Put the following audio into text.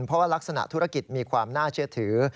เพราะว่ารักษณะธุรกิจมีความน่าเชื่อถือ